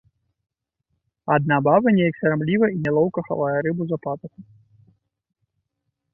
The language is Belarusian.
Адна баба неяк сарамліва і нялоўка хавае рыбу за пазуху.